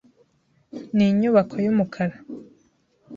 Ni inyubako yumukara.